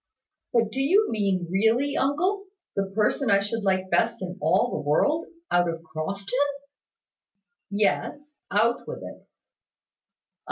"But do you mean really, uncle, the person I should like best in all the world, out of Crofton?" "Yes; out with it!"